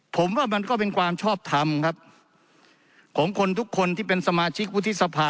ผมว่ามันก็เป็นความชอบทำครับของคนทุกคนที่เป็นสมาชิกวุฒิสภา